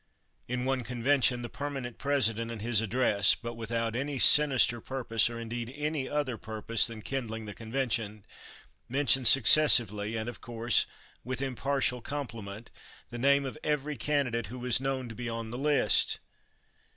In one convention the permanent president in his address, but without any sinister purpose, or indeed any other purpose than kindling the convention, mentioned successively, and, of course, with impartial compliment, the name of every candidate who was known to be on the list.